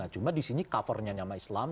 cuma di sini covernya nama islam